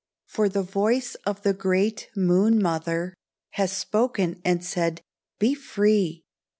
For the voice of the great Moon Mother, Has spoken and said, 'Be free.